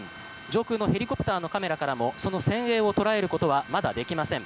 上空のヘリコプターのカメラからもその船影を捉えることはまだできません。